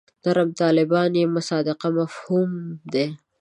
نرم طالبان بې مصداقه مفهوم دی.